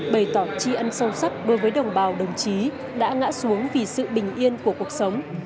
bày tỏ tri ân sâu sắc đối với đồng bào đồng chí đã ngã xuống vì sự bình yên của cuộc sống